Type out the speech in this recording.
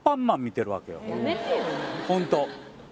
ホント。